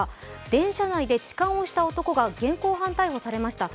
電車内で痴漢をした男が現行犯逮捕されました。